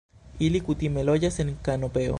Ili kutime loĝas en kanopeo.